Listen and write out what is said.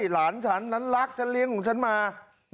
หลานฉันฉันรักฉันเลี้ยงของฉันมา